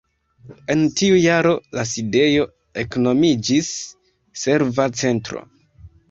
En tiu jaro la sidejo eknomiĝis "Serva Centro".